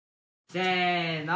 せーの。